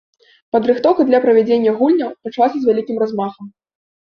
Падрыхтоўка да правядзення гульняў пачалася з вялікім размахам.